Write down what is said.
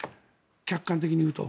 客観的に言うと。